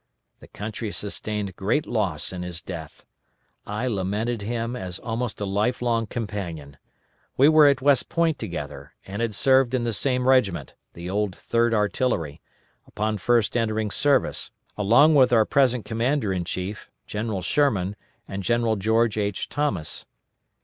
The country sustained great loss in his death. I lamented him as almost a life long companion. We were at West Point together, and had served in the same regiment the old 3d Artillery upon first entering service, along with our present Commander in Chief, General Sherman, and General George H. Thomas.